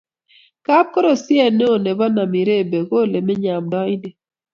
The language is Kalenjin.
kapkorosie neoo nebo Namirebe ko ole menyei amdoindet.